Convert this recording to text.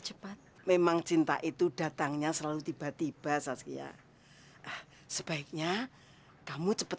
cepat memang cinta itu datangnya selalu tiba tiba saja sebaiknya kamu cepat